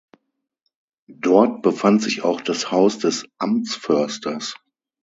Dort befand sich auch das Haus des Amtsförsters.